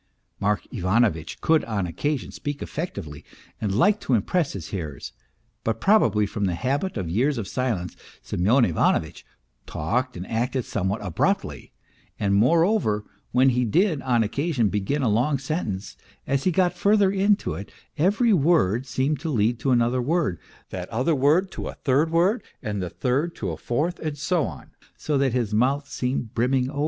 Mark Ivanovitch could on occasion speak effectively and liked to impress his hearers, but, probably from the habit of years of silence, Semyon Ivanovitch talked and acted somewhat abruptly; and, moreover, when he did on occasion begin a long sentence, as he got further into it every word seemed to lead to another word, that other word to a third word, that third to & fourth and so on, so that his mouth seemed brimming over; /" Why, "I tell MR.